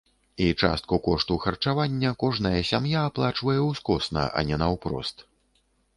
І частку кошту харчавання кожная сям'я аплачвае ўскосна, а не наўпрост.